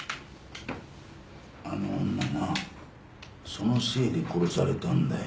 あの女なそのせいで殺されたんだよ。